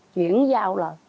chuyển giao là